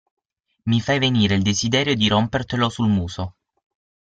Mi fai venire il desiderio di rompertelo sul muso.